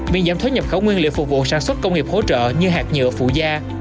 việc giảm thuế nhập khẩu nguyên liệu phục vụ sản xuất công nghiệp hỗ trợ như hạt nhựa phụ da